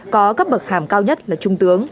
có cấp bậc hàm cao nhất là trung tướng